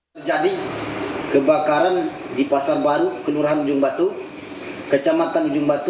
terjadi kebakaran di pasar baru kelurahan ujung batu kecamatan ujung batu